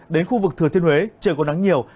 đến khu vực thừa thiên huế trời có nắng nhiều